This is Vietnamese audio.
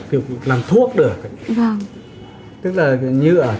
tức là như ở tam tầng người ta về người ta mua cái giấy gió của nhà anh ấy